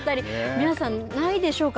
皆さん、ないでしょうか。